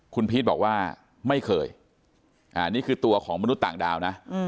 คุณพีชบอกว่าไม่เคยอันนี้คือตัวของมนุษย์ต่างดาวนะ